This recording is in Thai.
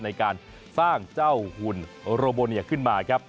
ในการสร้างเจ้าหุ่นโรโบเนียขึ้นมาครับ